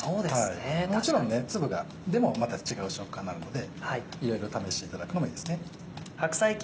もちろんね粒がでもまた違う食感になるのでいろいろ試していただくのもいいですね。